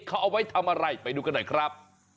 เขาเอาไว้ทำอะไรไปดูกันหน่อยครับ